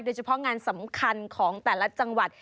โดยเฉพาะงานสำคัญของแต่ละจังหวัด